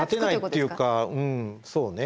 うんそうね。